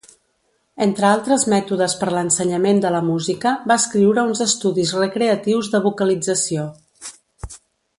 Entre altres mètodes per l'ensenyament de la música va escriure uns Estudis Recreatius de Vocalització.